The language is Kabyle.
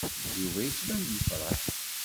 Yuba yettban-d yefṛeḥ.